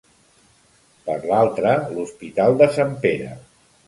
Per l'altra, l'Hospital de Sant Pere.